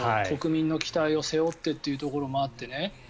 国民の期待を背負ってというところもあってね。